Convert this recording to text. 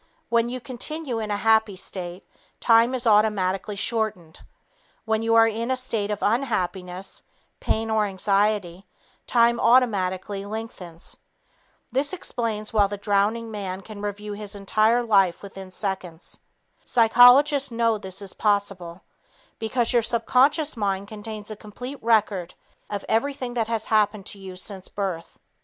When you continue in a happy state, time is automatically shortened. When you are in a state of unhappiness, pain or anxiety, time automatically lengthens. This explains why the drowning man can review his entire life within seconds. Psychologists know this is possible, because your subconscious mind contains a complete record of everything that has happened to you since birth.